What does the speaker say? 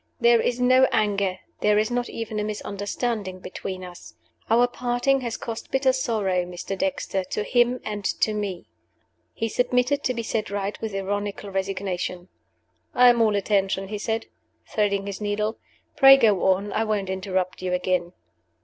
"There is no anger there is not even a misunderstanding between us. Our parting has cost bitter sorrow, Mr. Dexter, to him and to me." He submitted to be set right with ironical resignation. "I am all attention," he said, threading his needle. "Pray go on; I won't interrupt you again."